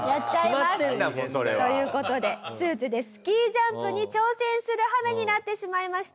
決まってるんだもんそれは。という事でスーツでスキージャンプに挑戦する羽目になってしまいました。